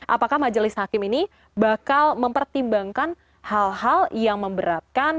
apakah majelis hakim ini bakal mempertimbangkan hal hal yang memberatkan